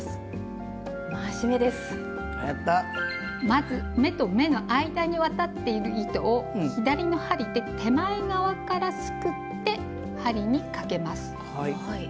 まず目と目の間に渡っている糸を左の針で手前側からすくって針にかけます。